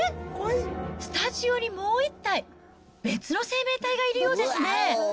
スタジオにもう１体、別の生命体がいるようですね。